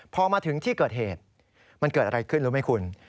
พอมาถึงที่เกิดเหตุมันเกิดอะไรขึ้นรู้ไหมคุณ